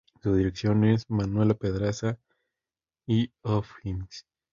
Su dirección es Manuela Pedraza y O'Higgins.